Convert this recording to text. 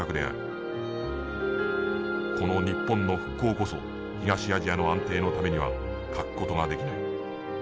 この日本の復興こそ東アジアの安定のためには欠く事ができない。